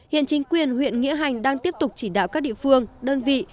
hiện chính quyền huyện nghĩa hành đang tiếp tục chỉ đạo các địa phương đơn vị